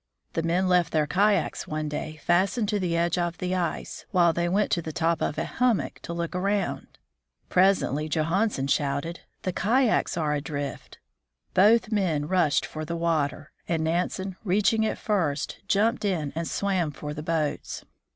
The men left their kayaks one day fastened to the edge of the ice, while they went to the top of a hummock to look around. Presently Johansen shouted, "The kayaks are adrift." Both men rushed for the water, and Nansen, reaching it first, jumped in and swam for the boats.